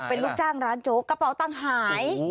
เป็นลูกจ้างร้านโจ๊กกระเป๋าตังหาย